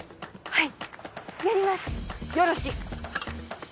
はい。